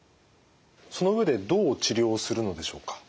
その上でどう治療をするのでしょうか？